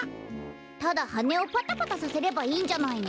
ただはねをパタパタさせればいいんじゃないの？